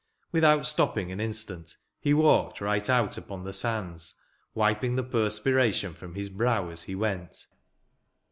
Without stopping an instant, he walked right out upon the sands, wiping the perspiration from his brow as he went.